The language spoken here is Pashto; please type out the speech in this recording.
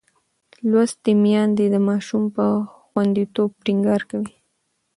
لوستې میندې د ماشوم پر خوندیتوب ټینګار کوي.